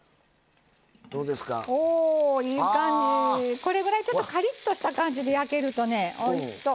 これぐらいちょっとカリッとした感じで焼けるとねおいしそう。